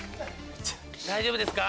大丈夫ですか？